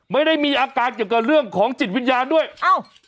ไม่ได้มีอาการเกี่ยวกับเรื่องของจิตวิญญาณด้วยอ้าว